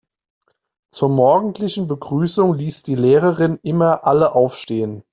Zur morgendlichen Begrüßung ließ die Lehrerin immer alle aufstehen.